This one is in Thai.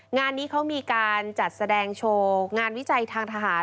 งานนี้เขามีการจัดแสดงโชว์งานวิจัยทางทหาร